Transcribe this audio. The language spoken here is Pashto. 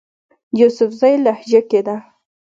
يوسفزئ لهجه کښې ده